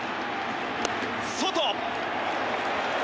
外。